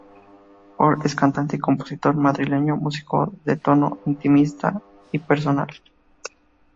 Pol es cantante y compositor madrileño, músico de tono intimista y personal.